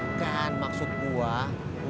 bukan maksud gue